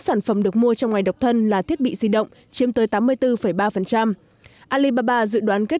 sản phẩm được mua trong ngày độc thân là thiết bị di động chiếm tới tám mươi bốn ba alibaba dự đoán kết